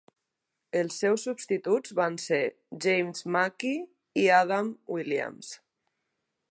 Els seus substituts van ser James Mackie i Adam Williams.